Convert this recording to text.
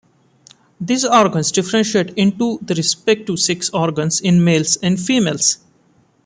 These organs differentiate into the respective sex organs in males and females.